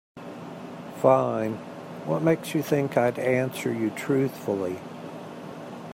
Fine, what makes you think I'd answer you truthfully?